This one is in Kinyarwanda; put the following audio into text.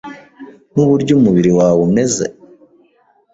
Nuburyo umubiri wawe umeze?